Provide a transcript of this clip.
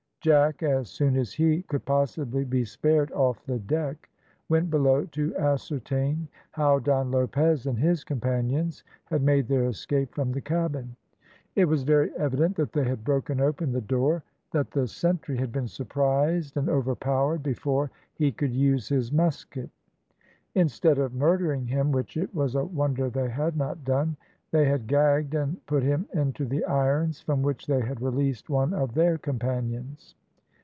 Jack, as soon as he could possibly be spared off the deck, went below to ascertain how Don Lopez and his companions had made their escape from the cabin. It was very evident that they had broken open the door, that the sentry had been surprised and overpowered before he could use his musket. Instead of murdering him, which it was a wonder they had not done, they had gagged and put him into the irons from which they had released one of their companions.